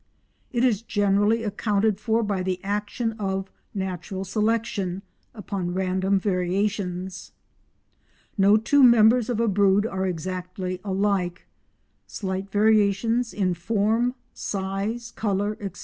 It is generally accounted for by the action of "natural selection" upon random variations. No two members of a brood are exactly alike; slight variations in form, size, colour, etc.